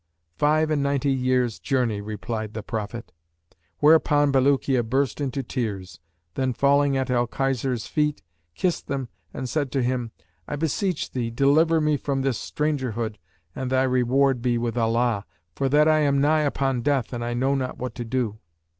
'Five and ninety years' journey,' replied the Prophet; whereupon Bulukiya burst into tears; then, falling at Al Khizr's feet, kissed them and said to him, 'I beseech thee deliver me from this strangerhood and thy reward be with Allah, for that I am nigh upon death and know not what to do.'